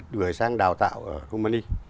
gửi sang đào tạo ở kumani